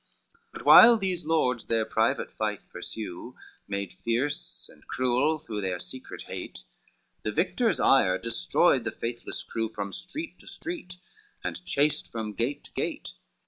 XXIX But while these lords their private fight pursue, Made fierce and cruel through their secret hate, The victor's ire destroyed the faithless crew From street to street, and chased from gate to gate.